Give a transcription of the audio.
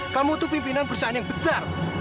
kamu itu pimpinan perusahaan yang besar